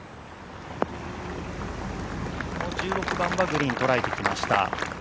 １６番はグリーン捉えてきました。